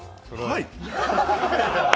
はい？